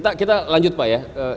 pak kita lanjut pak ya